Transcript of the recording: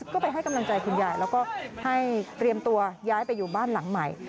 ก็ไปให้กำลังใจคุณยายแล้วก็ให้เตรียมตัวย้ายไปอยู่บ้านหลังใหม่